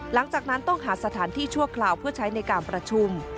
หลังจากนั้นต้องหาสถานที่ชั่วคราวเพื่อใช้ในการประชุม